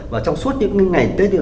và trong suốt những ngày tết